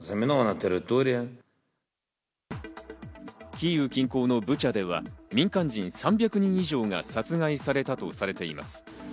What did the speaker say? キーウ近郊のブチャでは民間人３００人以上が殺害されたとされています。